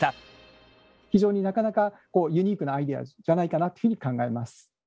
非常になかなかユニークなアイデアじゃないかなっていうふうに考えます。